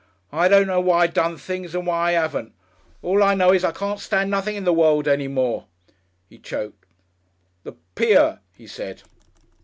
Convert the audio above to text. I don't know why I done things and why I 'aven't. All I know is I can't stand nothing in the world any more." He choked. "The pier," he said.